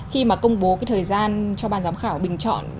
khi mà công bố thời gian cho bàn giám khảo bình chọn